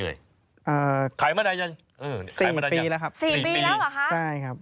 ขายมาได้ยังขายมาได้ยังสี่ปีแล้วครับสี่ปีแล้วเหรอครับใช่ครับ